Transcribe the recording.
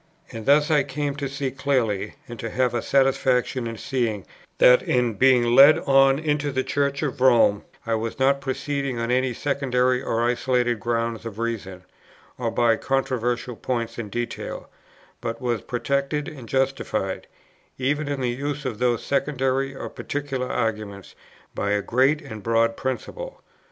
And thus I came to see clearly, and to have a satisfaction in seeing, that, in being led on into the Church of Rome, I was not proceeding on any secondary or isolated grounds of reason, or by controversial points in detail, but was protected and justified, even in the use of those secondary or particular arguments, by a great and broad principle.